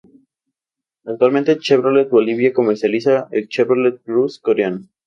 Actualmente Chevrolet Bolivia comercializa el Chevrolet Cruze Coreano.